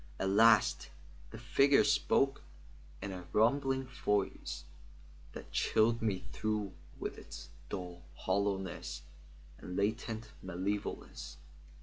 At last the figure spoke in a rumbling voice that chilled me through with its dull hollowness and latent malevolence.